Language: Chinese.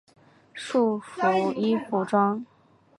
束缚衣服装。